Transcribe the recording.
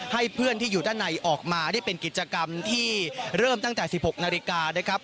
ให้เพื่อนที่อยู่ด้านในออกมาได้เป็นกิจกรรมที่เริ่มตั้งแต่๑๖นาฬิกานะครับ